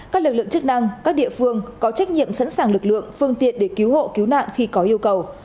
các lực lượng chức năng các địa phương có trách nhiệm sẵn sàng lực lượng phương tiện để cứu hộ cứu nạn khi có yêu cầu